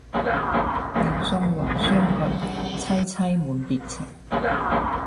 又送王孫去，萋萋滿別情。